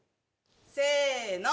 せの。